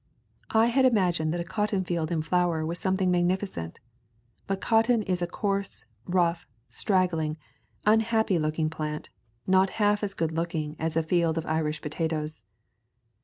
I had imagined that a cotton field in flower was something magnificent. But cotton is a coarse, rough, straggling, unhappy looking plant, not half as good looking as a field of Irish potatoes.